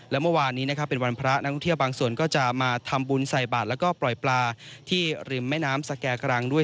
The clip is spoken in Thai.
และเมื่อวานนี้นะครับเป็นวันพระนักท่องเที่ยวบางส่วนก็จะมาทำบุญใส่บาทแล้วก็ปล่อยปลาที่ริมแม่น้ำสแก่กรังด้วย